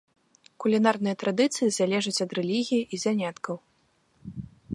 Кулінарныя традыцыі залежаць ад рэлігіі і заняткаў.